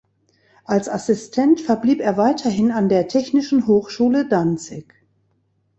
Als Assistent verblieb er weiterhin an der Technischen Hochschule Danzig.